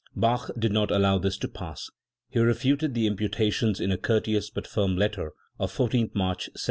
Bach did not allow this to pass; he refuted the imputations in a courteous but firm letter of I4th March 1714.